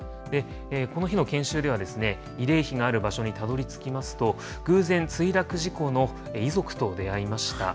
この日の研修では、慰霊碑がある場所にたどりつきますと、偶然、墜落事故の遺族と出会いました。